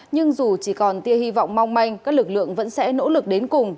nhưng dù chỉ còn tia hy vọng mong manh các lực lượng vẫn sẽ nỗ lực đến cùng